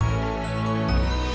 firman tadi acaba